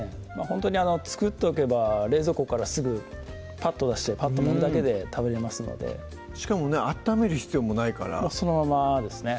ほんとに作っとけば冷蔵庫からすぐぱっと出してぱっと盛るだけで食べれますのでしかもね温める必要もないからそのままですね